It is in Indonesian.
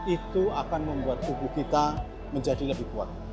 itu akan membuat tubuh kita menjadi lebih kuat